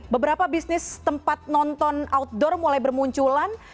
beberapa bisnis tempat nonton outdoor mulai bermunculan